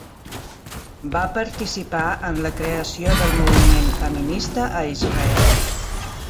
Va participar en la creació del moviment feminista a Israel.